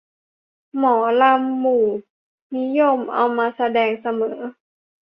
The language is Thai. หมอลำหมู่นิยมเอามาแสดงเสมอ